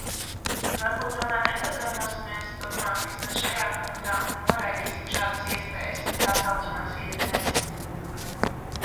Varbūt tomēr nepazemosimies turpmāk vismaz šajā punktā un noraidīsim šādas iespējas, tā saucamās iespējas.